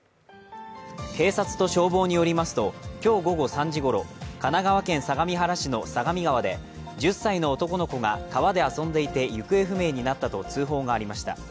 警察と消防によりますと、今日午後３時ごろ、神奈川県相模原市の相模川で１０歳の男の子が川で遊んでいて行方不明になったと通報がありました。